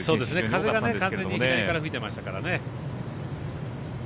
風が完全に左から吹いてましたからね。